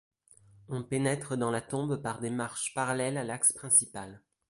On pénètre dans la tombe par des marches parallèles à l'axe principal.